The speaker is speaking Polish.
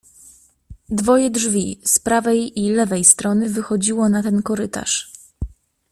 "Dwoje drzwi, z prawej i lewej strony, wychodziło na ten korytarz."